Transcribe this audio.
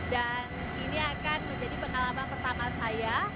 dan ini akan menjadi pengalaman pertama saya